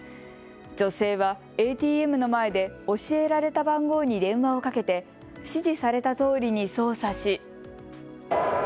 女性はＡＴＭの前で教えられた番号に電話をかけて指示されたとおりに操作し。